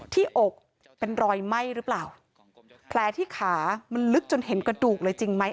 อกเป็นรอยไหม้หรือเปล่าแผลที่ขามันลึกจนเห็นกระดูกเลยจริงไหม